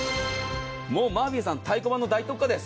もうマーフィーさん太鼓判の大特価です。